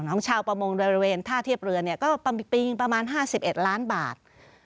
ของชาวประมงในระเวนท่าเทียบเรือนก็ปีปีงประมาณ๕๑ล้านบาท